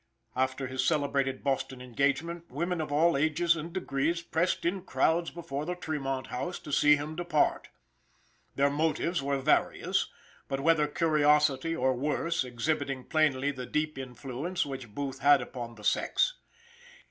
After his celebrated Boston engagement, women of all ages and degrees pressed in crowds before the Tremont House to see him depart. Their motives were various, but whether curiosity or worse, exhibiting plainly the deep influence which Booth had upon the sex.